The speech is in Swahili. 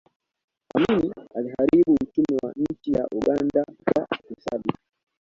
amini aliharibu uchumi wa nchi ya uganda kwa ufisadi